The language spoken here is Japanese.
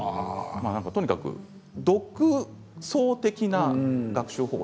とにかく独創的な学習方法。